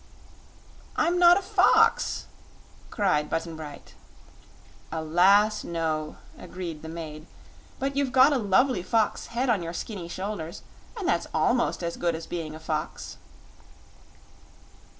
"I'm not a fox!" cried Button Bright. "Alas, no," agreed the maid. "But you've got a lovely fox head on your skinny shoulders, and that's ALMOST as good as being a fox."